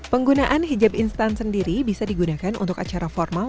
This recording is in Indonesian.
penggunaan hijab instan sendiri bisa digunakan untuk acara formal